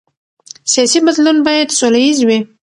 سیاسي بدلون باید سوله ییز وي